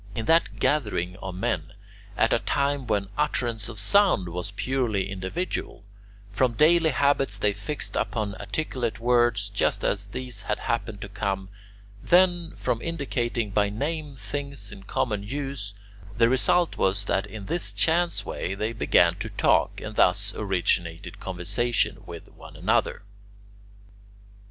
In that gathering of men, at a time when utterance of sound was purely individual, from daily habits they fixed upon articulate words just as these had happened to come; then, from indicating by name things in common use, the result was that in this chance way they began to talk, and thus originated conversation with one another.